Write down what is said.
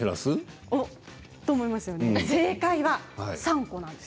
正解は３個です。